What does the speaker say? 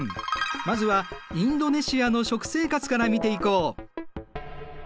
まずはインドネシアの食生活から見ていこう。